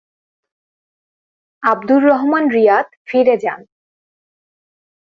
Abdur Rahman Riyadh ফিরে যান।